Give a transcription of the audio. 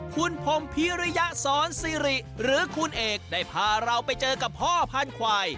คุณพรมพิริยสอนซิริหรือคุณเอกได้พาเราไปเจอกับพ่อพันธุ์ควาย